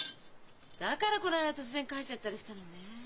だからこないだ突然帰っちゃったりしたのね。